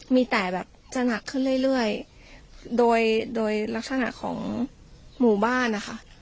มีแต่แบบจะหนักขึ้นเรื่อยเรื่อยโดยโดยลักษณะของหมู่บ้านนะคะ